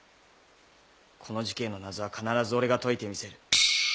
この事件の謎は必ず俺が解いてみせる。